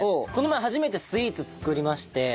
この前初めてスイーツ作りまして。